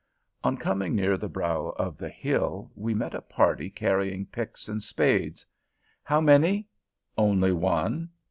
On coming near the brow of the hill, we met a party carrying picks and spades. "How many?" "Only one."